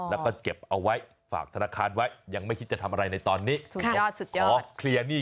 แล้วก็เก็บเอาไว้ฝากธนาคารไว้ยังไม่คิดจะทำอะไรในตอนนี้